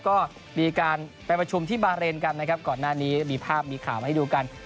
ก็มีการไปประชุมที่บาเรนกันนะครับก่อนหน้านี้มีภาพมีข่าวมาให้ดูกัน